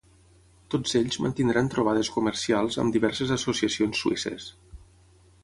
Tots ells mantindran trobades comercials amb diverses associacions suïsses.